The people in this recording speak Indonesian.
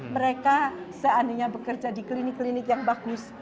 mereka seandainya bekerja di klinik klinik yang bagus